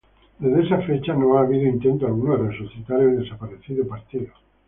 Desde esa fecha no ha habido intento alguno de resucitar el desaparecido partido.